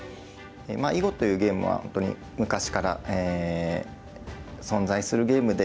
囲碁というゲームは本当に昔から存在するゲームで。